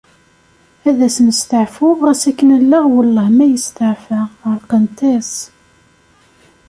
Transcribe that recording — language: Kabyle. Ad as-nesteɛfu ɣas akken allaɣ wellah ma yesteɛfa, ɛerqent-as.